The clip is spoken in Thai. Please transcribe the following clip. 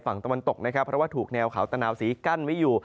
ฝั่งตะวันตกนะครับเพราะว่าถูกแนวเขาตะนาวสีกั้นไว้อยู่